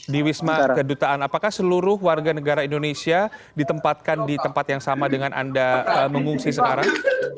di wisma kedutaan apakah seluruh warga negara indonesia ditempatkan di tempat yang sama dengan anda mengungsi sekarang